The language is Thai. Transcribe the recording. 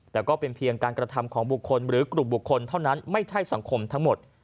แต่ก็เป็นเพียงการกระทำของบุคคลหรือกลุ่มบุคคลเท่านั้นไม่ใช่สังคมทั้งหมด